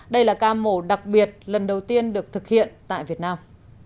đây là ca mổ đặc biệt lần đầu tiên được thực hiện tại việt nam